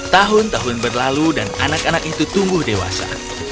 tahun tahun berlalu dan anak anak itu tumbuh dewasa